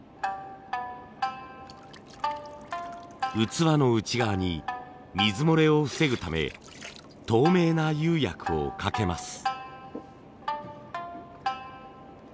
器の内側に水漏れを防ぐため透明な釉薬をかけます。